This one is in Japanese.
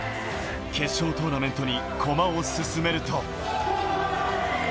決勝トーナメントに駒を進めると。